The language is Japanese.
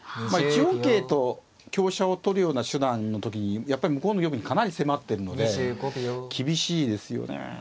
１四桂と香車を取るような手段の時にやっぱり向こうの玉にかなり迫ってるので厳しいですよね。